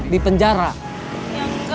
di penjara ya enggak lah